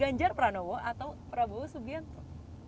ganjar pranowo atau prabowo subianto